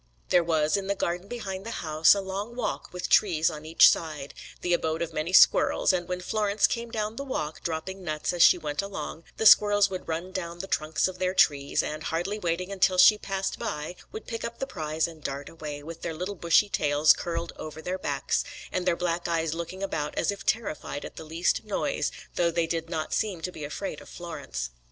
There was, in the garden behind the house, a long walk with trees on each side, the abode of many squirrels, and when Florence came down the walk, dropping nuts as she went along, the squirrels would run down the trunks of their trees, and, hardly waiting until she passed by, would pick up the prize and dart away, with their little bushy tails curled over their backs, and their black eyes looking about as if terrified at the least noise, though they did not seem to be afraid of Florence.